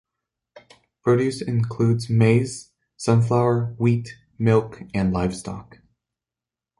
Produce includes maize, sunflower, wheat, milk and livestock.